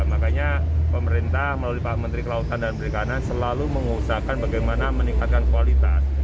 makanya pemerintah melalui pak menteri kelautan dan perikanan selalu mengusahakan bagaimana meningkatkan kualitas